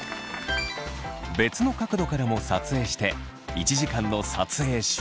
別の角度からも撮影して１時間の撮影終了。